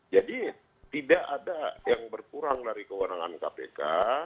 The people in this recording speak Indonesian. jadi tidak ada yang berkurang dari kewenangan kpk